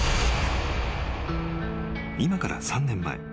［今から３年前］